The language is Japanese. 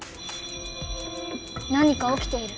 何かおきている。